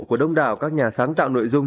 của đông đảo các nhà sáng tạo nội dung